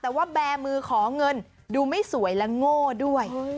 แต่ว่าแบร์มือขอเงินดูไม่สวยและโง่ด้วย